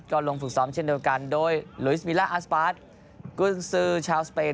ก็ลงฝึกซ้อมเช่นเดียวกันโดยลุยสวิล่าอัสสปาร์ทกุญซือชาวสเปน